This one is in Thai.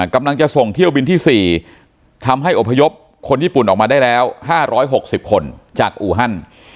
กำลังจะส่งเที่ยวบินที่๔ทำให้อพยพคนญี่ปุ่นออกมาได้แล้ว๕๖๐คนจากอูฮัน